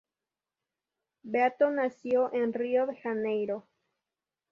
Beato nació en Río de Janeiro.